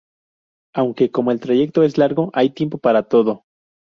Aunque, como el trayecto es largo, hay tiempo para todo.